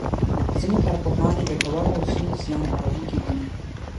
ځینې کارپوهان یې ګټوره او ځینې یې زیان اړوونکې ګڼي.